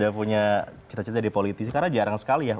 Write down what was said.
karena kamu punya cita cita di politik sekarang jarang sekali ya